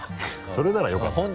それならよかったです。